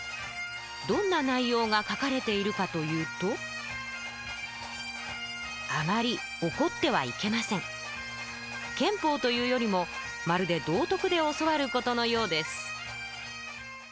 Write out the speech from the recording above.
どんな内容が書かれているかというと憲法というよりもまるで道徳で教わることのようです